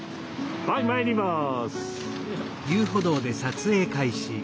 はいまいります。